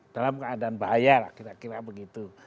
dalam keadaan bahaya lah kira kira begitu